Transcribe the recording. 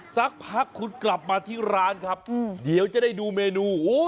สักพักคุณกลับมาที่ร้านครับเดี๋ยวจะได้ดูเมนู